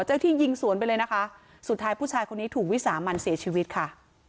ที่ยิงสวนไปเลยนะคะสุดท้ายผู้ชายคนนี้ถูกวิสามันเสียชีวิตค่ะ